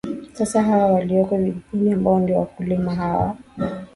sasa hawa walioko vijijini ambao ndio wakulima hawa